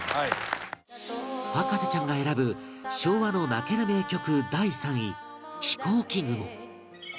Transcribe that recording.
博士ちゃんが選ぶ昭和の泣ける名曲、第３位『ひこうき雲』